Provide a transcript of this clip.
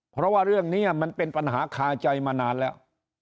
เพราะว่าเรื่องนี้มันเป็นปัญหาคาใจมานานแล้ว